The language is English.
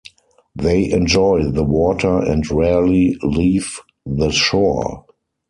They enjoy the water and rarely leave the shore.